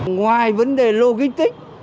ngoài vấn đề logistic